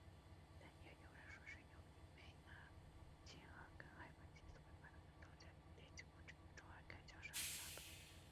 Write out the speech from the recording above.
但也有人说是由于梅纳茨哈根害怕妻子会把他的造假与劣迹公之于众而开枪杀死她的。